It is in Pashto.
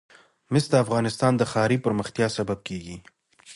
مس د افغانستان د ښاري پراختیا سبب کېږي.